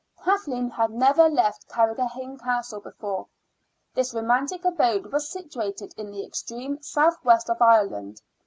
Kathleen had never left Carrigrohane Castle before. This romantic abode was situated in the extreme south west of Ireland.